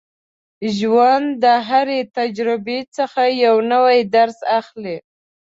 ژوند د هرې تجربې څخه یو نوی درس اخلي.